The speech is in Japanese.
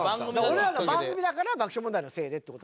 俺らの番組だから爆笑問題のせいでって事？